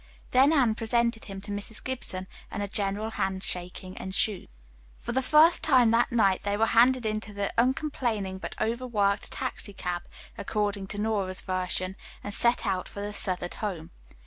Then Anne presented him to Mrs. Gibson, and a general handshaking ensued. For the third time that night they were handed into the "uncomplaining but over worked taxicab," according to Nora's version, and set out for the Southard home.